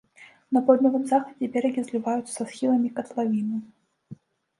На паўднёвым захадзе берагі зліваюцца са схіламі катлавіны.